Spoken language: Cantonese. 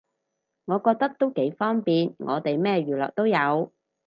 我覺得都幾方便，我哋咩娛樂都有